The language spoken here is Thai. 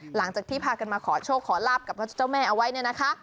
หลังจากที่พากันมาขอโชคขอลาบกับพระเจ้าแม่เอาไว้เนี่ยนะคะ